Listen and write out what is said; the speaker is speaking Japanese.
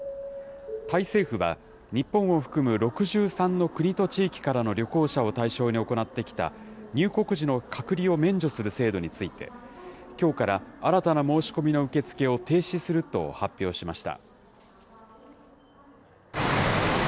タイ政府は日本を含む６３の国と地域からの旅行者を対象に行ってきた、入国時の隔離を免除する制度について、きょうから新たな申し込みの受け付けを停止すると発表しました。